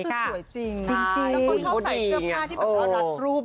ทุกคนชอบใส่เสื้อผ้าที่รัดรูป